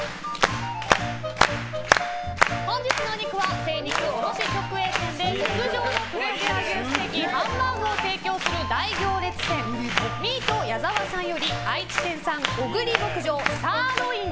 本日のお肉は、精肉卸直営店で極上の黒毛和牛ステーキハンバーグを提供する大行列店ミート矢澤さんより愛知県産小栗牧場サーロイン